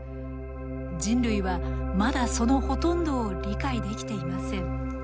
人類はまだそのほとんどを理解できていません。